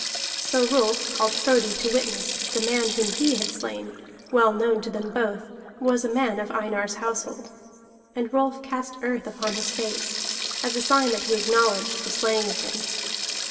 So Rolf called Frodi to witness that the man whom he had slain, well known to them both, was a man of Einar's household. And Rolf cast earth upon his face, as a sign that he acknowledged the slaying of him.